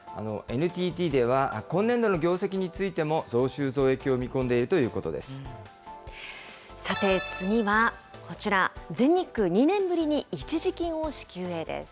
ＮＴＴでは今年度の業績についても増収増益を見込んでいるというさて、次はこちら、全日空、２年ぶりに一時金を支給へです。